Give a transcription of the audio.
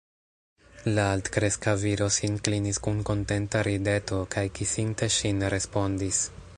La altkreska viro sin klinis kun kontenta rideto kaj, kisinte ŝin, respondis: